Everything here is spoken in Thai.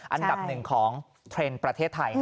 อันดับหนึ่งของเทรนด์ประเทศไทย